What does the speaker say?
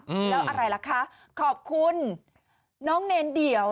อืมแล้วอะไรล่ะคะขอบคุณน้องเนรเดี่ยว